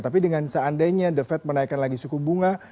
tapi dengan seandainya the fed menaikkan lagi suku bunga